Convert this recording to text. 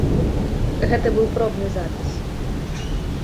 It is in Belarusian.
Гэта быў пробны запіс.